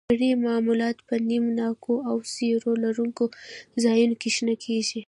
مرخیړي معمولاً په نم ناکو او سیوري لرونکو ځایونو کې شنه کیږي